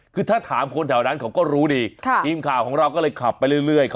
คือถ้าถามคนแถวนั้นเขาก็รู้ดีทีมข่าวของเราก็เลยขับไปเรื่อย